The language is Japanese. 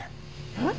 えっ！？